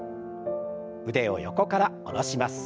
腕を横から下ろします。